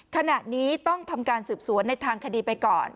ขณะนี้ต้องทำการสืบสวนในทางคดีไปก่อน